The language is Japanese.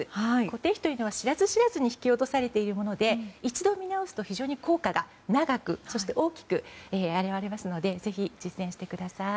固定費というのは知らず知らずに引き落とされているもので一度見直すと非常に効果が長くそして大きく表れますのでぜひ実践してください。